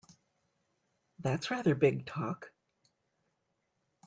That's rather big talk!